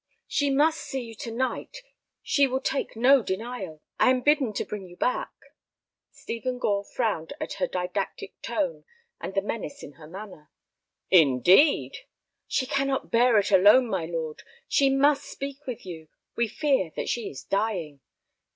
"She must see you to night; she will take no denial; I am bidden to bring you back." Stephen Gore frowned at her didactic tone and the menace in her manner. "Indeed!" "She cannot bear it alone, my lord; she must speak with you; we fear that she is dying."